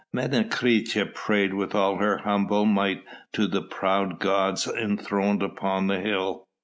Menecreta prayed with all her humble might to the proud gods enthroned upon the hill!